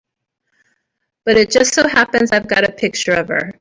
But it just so happens I've got a picture of her.